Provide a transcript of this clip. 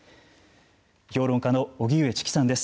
評論家の荻上チキさんです。